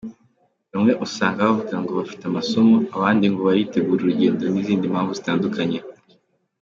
Bamwe usanga bavuga ngo bafite amasomo, abandi ngo baritegura urugendo n’izindi mpamvu zitandukanye.